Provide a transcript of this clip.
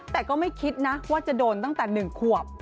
แต่ก็ไม่คิดนะว่าจะโดนตั้งแต่๑ขวบ